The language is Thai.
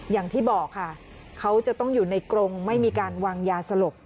อย่างที่บอกค่ะเขาจะต้องอยู่ในกรงไม่มีการวางยาสลบ